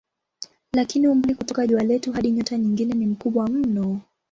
Lakini umbali kutoka jua letu hadi nyota nyingine ni mkubwa mno.